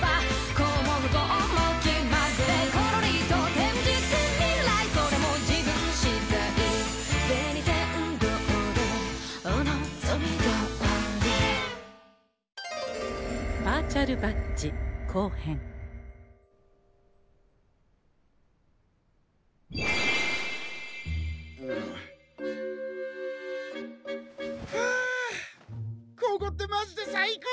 ここってマジで最高！